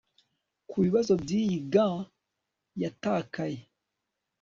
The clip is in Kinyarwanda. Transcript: Kubibazo byiyi gants yatakaye